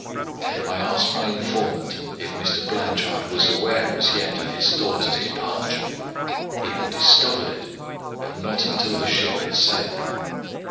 "I asked my informant if Mr. Blanchard was aware as yet of his daughter's departure. He had discovered it, but not until the ship had sailed.